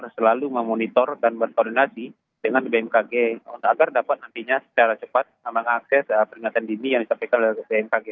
selalu memonitor dan berkoordinasi dengan bmkg agar dapat nantinya secara cepat mengakses peringatan dini yang disampaikan oleh bmkg